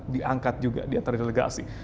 diangkat juga diantara delegasi